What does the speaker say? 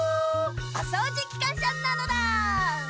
おそうじきかんしゃなのだ！